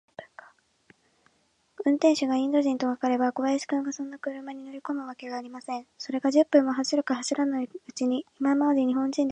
運転手がインド人とわかれば、小林君がそんな車に乗りこむわけがありません。それが、十分も走るか走らないうちに、今まで日本人であったふたりが、